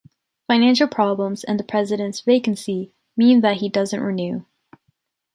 Financial problems and the President’s vacancy mean that he doesn’t renew.